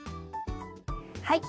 はい。